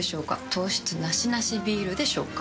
糖質ナシナシビールでしょうか？